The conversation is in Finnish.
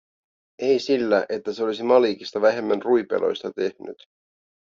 Ei sillä, että se olisi Malikista vähemmän ruipeloista tehnyt.